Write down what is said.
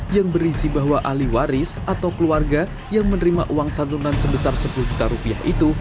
yang berisi bahwa ahli waris atau keluarga yang menerima uang santunan sebesar sepuluh juta rupiah itu